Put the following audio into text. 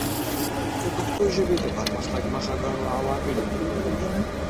د پښتو ژبې د پرمختګ مخه ګڼو عواملو نیولې ده.